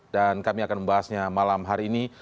dan kami akan membahasnya malam hari ini